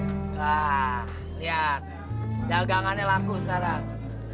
wah lihat dagangannya laku sekarang